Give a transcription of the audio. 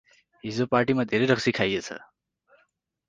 हिजो पार्टीमा धेरै रक्सि खाइएछ ।